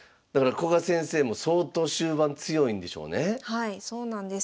はいそうなんです。